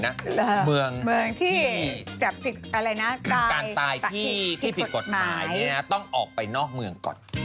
ต่อก่อนที่จะจะตายเนี้ยต้องออกไปนอกเมือง